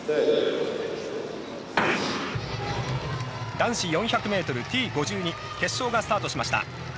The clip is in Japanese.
男子４００ｍ、Ｔ５２決勝がスタートしました。